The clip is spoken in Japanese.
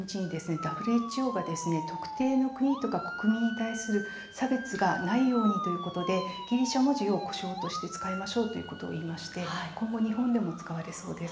ＷＨＯが特定の国や国民への差別がないようにということでギリシャ文字を呼称として使いましょうということをいいまして今後、日本でも使われそうです。